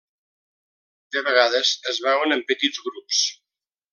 De vegades es veuen en petits grups.